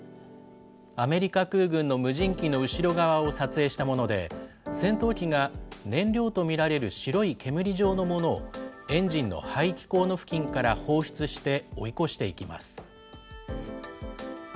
アメリカ空軍の無人機の後ろ側を撮影したもので、戦闘機が燃料と見られる白い煙状のものをエンジンの排気口の付近から放出して、追い越していきます。